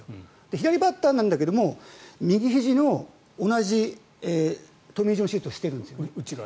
左バッターなんだけど右ひじの同じトミー・ジョン手術をしているんです。